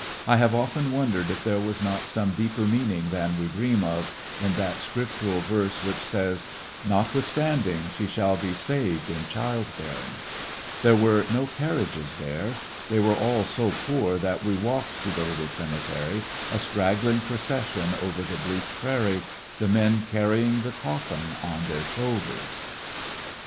I have often wondered if there was not some deeper meaning than we dream of in that scriptural verse which says : "l^otwithstanding she shall be saved in child bearing*'* There were no carriages there* They were all so poor that we walked to the little cemetery, a straggling procession over the bleak prairie^ the men carrying the coffin on their shoulders.